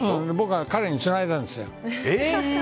彼につないだんですよ。